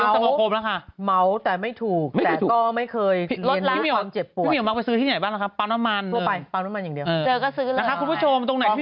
คุณแม่พี่เมียวเสียเป็นนายกสมโครมแล้วค่ะ